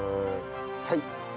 はい。